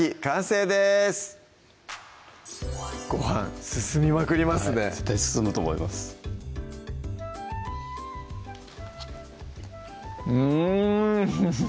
ごはん進みまくりますね絶対進むと思いますうん！